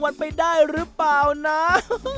เวลาประจำ